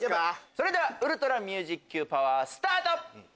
それではウルトラミュージッＱパワースタート！